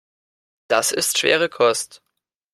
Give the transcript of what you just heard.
Das ist schwere Kost.